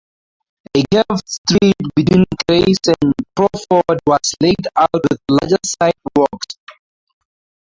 The curved street between Grace and Crawford was laid out with larger sidewalks.